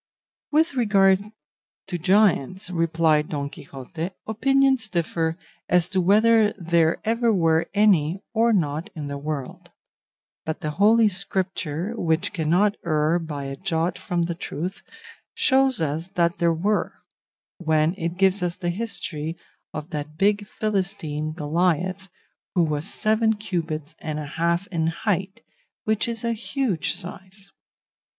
"With regard to giants," replied Don Quixote, "opinions differ as to whether there ever were any or not in the world; but the Holy Scripture, which cannot err by a jot from the truth, shows us that there were, when it gives us the history of that big Philistine, Goliath, who was seven cubits and a half in height, which is a huge size.